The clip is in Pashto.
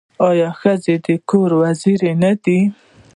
آیا ښځه د کور وزیره نه ده؟